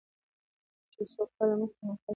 چې څو کاله مخکې يې موټر ټکر کړ؟